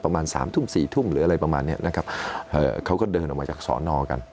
ประมาณ๓ทุ่ม๔ทุ่มหรืออะไรประมาณนี้นะครับเขาก็เดินออกมาจากสรนกัน